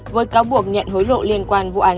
với cáo buộc nhận hối lộ liên quan vụ án